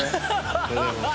おはようございます。